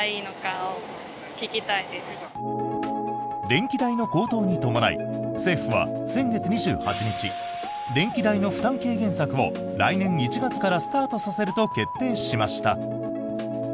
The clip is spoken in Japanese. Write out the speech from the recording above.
電気代の高騰に伴い政府は先月２８日電気代の負担軽減策を来年１月からスタートさせると決定しました。